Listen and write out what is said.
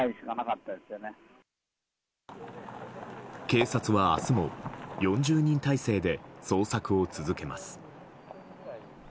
警察は明日も４０人態勢で捜索を続けます。